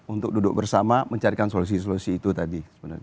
untuk duduk bersama mencarikan solusi solusi itu tadi sebenarnya